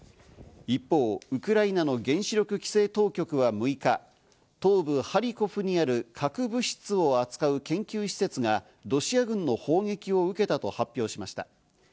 一方、ウクライナの原子力規制当局は６日、東部ハリコフにある核物質を扱う研究施設がロシア軍の砲撃を受けたと発表しました。